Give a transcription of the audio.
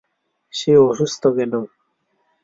সে অসুস্থ কেন?